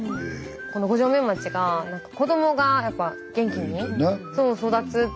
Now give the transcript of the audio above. この五城目町が子どもがやっぱ元気にねそう育つって聞いて。